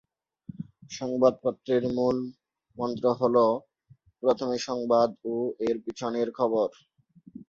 সংবাদপত্রের মূলমন্ত্র হ'ল "প্রথমে সংবাদ ও এর পিছনের খবর"।